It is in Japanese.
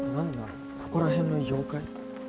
ここら辺の妖怪？